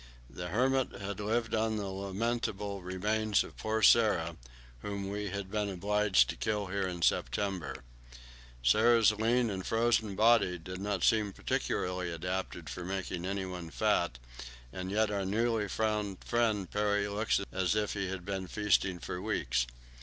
The hermit had lived on the lamentable remains of poor Sara, whom we had been obliged to kill here in September. Sara's lean and frozen body did not seem particularly adapted for making anyone fat, and yet our newly found friend Peary looked as if he had been feasting for weeks.